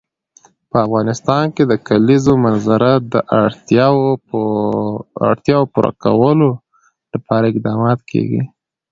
په افغانستان کې د د کلیزو منظره د اړتیاوو پوره کولو لپاره اقدامات کېږي.